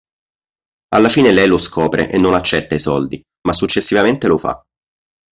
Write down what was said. Alla fine lei lo scopre e non accetta i soldi, ma successivamente lo fa.